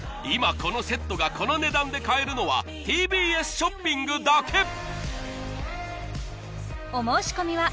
今このセットがこの値段で買えるのはＴＢＳショッピングだけ！